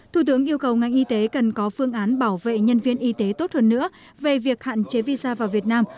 thủ tướng yêu cầu ngành y tế cần có phương án bảo vệ nhân viên y tế tốt hơn nữa về việc hạn chế visa vào việt nam